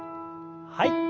はい。